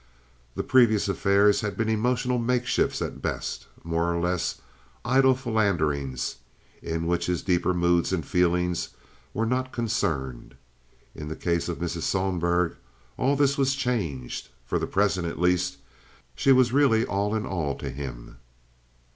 The previous affairs had been emotional makeshifts at best—more or less idle philanderings in which his deeper moods and feelings were not concerned. In the case of Mrs. Sohlberg all this was changed. For the present at least she was really all in all to him.